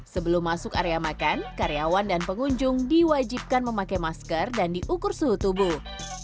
sebelum masuk area makan karyawan dan pengunjung diwajibkan memakai masker dan diukur suhu tubuh